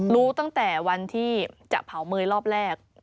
รู้ตั้งแต่วันที่จะเผาเมย์รอบแรก